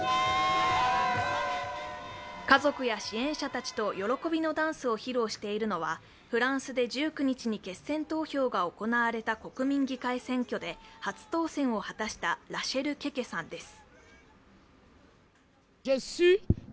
家族や支援者たちと喜びのダンスを披露しているのはフランスで１９日に決選投票が行われた国民議会選挙で初当選を果たしたラシェル・ケケさんです。